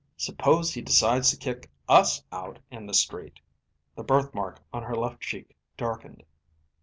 Suppose he decides to kick us out in the street." The birthmark on her left cheek darkened.